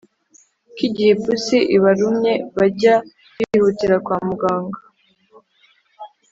ko igihe ipusi ibarumye bajya bihutira kwa muganga.